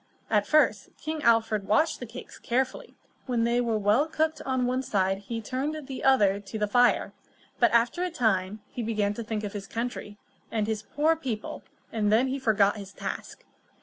At first, King Alfred watched the cakes carefully; when they were well cooked on one side he turned the other to the fire. But, after a time, he began to think of his country, and of his poor people, and then he forgot his task.